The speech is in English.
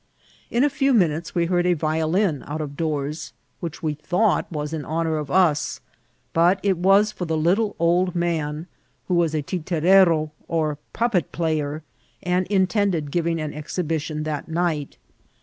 In a few minutes we heard a violin out of doors, which we thought was in honour of us ; but it was for the little old man, who was a titritero or puppet player, and in tended giving an exhibition that night.